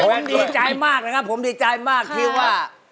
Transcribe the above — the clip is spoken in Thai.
ผมดีใจมากนะครับผมดีใจมากที่ว่า